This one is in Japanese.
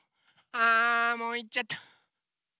あもういっちゃった。